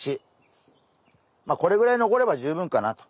まあこれぐらい残れば十分かなと。